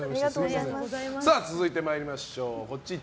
続いて参りましょう。